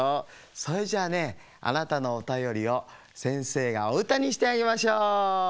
それじゃあねあなたのおたよりをせんせいがおうたにしてあげましょう。